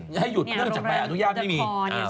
เริ่มจากประหยาดุญาตไม่มี